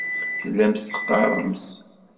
Tellamt teqqaremt.